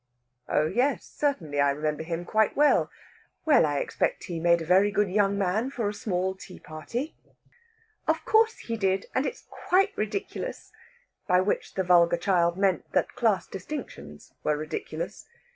"Oh yes, certainly. I remember him quite well. Well, I expect he made a very good young man for a small tea party." "Of course he did, and it's quite ridiculous." By which the vulgar child meant that class distinctions were ridiculous.